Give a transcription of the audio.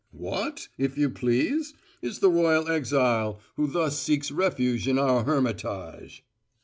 "What, if you please, is the royal exile who thus seeks refuge in our hermitage?"